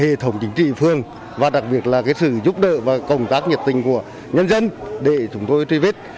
hệ thống chính trị phương và đặc biệt là sự giúp đỡ và công tác nhiệt tình của nhân dân để chúng tôi truy vết